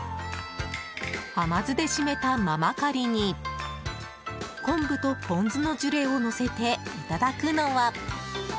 甘酢で締めたママカリに昆布とポン酢のジュレをのせていただくのは。